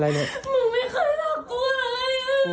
มึงไม่เคยรักกูเลย